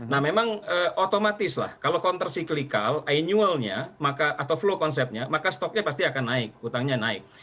nah memang otomatis lah kalau counter cyclical annualnya atau flow konsepnya maka stoknya pasti akan naik utangnya naik